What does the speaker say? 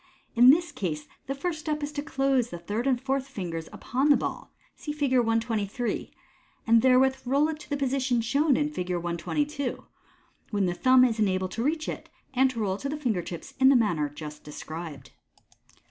In this case the first step is to close the third and fourth fingers upon the ball (see Fig. 123), and therewith roll it to the position shown in Fig. 122, when the thumb is enabled to reach it, and to roll it to the finger tips in the manner just de scribed.